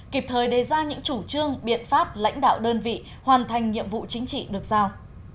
kịp thời đề ra những chủ trương biện pháp lãnh đạo đơn vị hoàn thành nhiệm vụ chính trị được giao